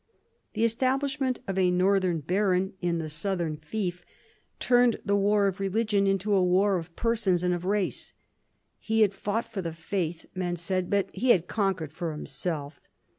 The establish ment of a northern baron in the southern fief turned vi PHILIP AND THE PAPACY 191 the war of religion into a war of persons and of race. He had fought for the faith, men said, but he had conquered for himself.